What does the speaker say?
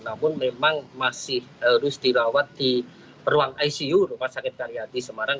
namun memang masih harus dirawat di ruang icu rumah sakit karyati semarang